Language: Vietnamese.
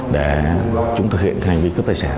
để chúng thực hiện hành vi cướp tài sản